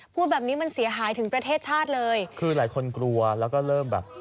พูดแบบนี้มันเสียหายถึงประเทศชาติเลยคือหลายคนกลัวแล้วก็เริ่มแบบ